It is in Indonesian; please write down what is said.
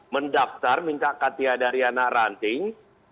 mendaftar minta katia dari anak ranting